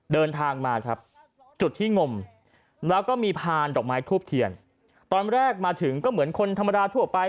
เดินทางมาครับจุดที่งมแล้วก็มีพานดอกไม้ทูบเทียนตอนแรกมาถึงก็เหมือนคนธรรมดาทั่วไป